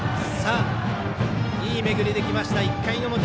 いい巡りできました、１回の表。